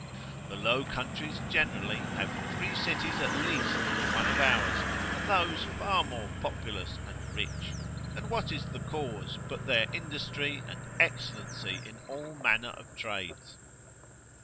The Low Countries generally have three cities at least for one of ours, and those far more populous and rich: and what is the cause, but their industry and excellency in all manner of trades?